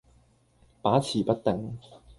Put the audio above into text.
把持不定